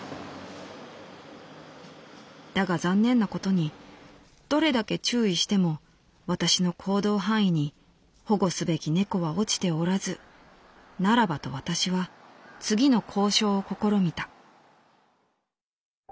「だが残念なことにどれだけ注意しても私の行動範囲に保護すべき猫は落ちておらずならばと私は次の交渉を試みた」。